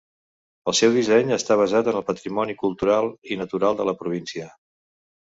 El seu disseny està basat en el patrimoni cultural i natural de la província.